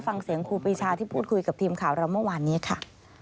ฟังเสียงครูปีชาที่พูดคุยกับทีมข่าวเราเมื่อวานนี้ค่ะ